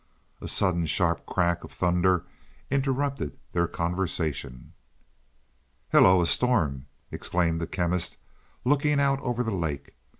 A sudden sharp crack of thunder interrupted their conversation. "Hello, a storm!" exclaimed the Chemist, looking out over the lake.